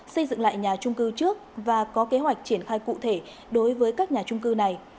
xây dựng lại nhà trung cư trước và có kế hoạch triển khai cụ thể đối với các nhà trung cư này